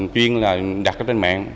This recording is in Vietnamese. chuyên đặt trên mạng